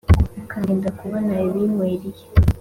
ukandinda kubona ibinkwiriye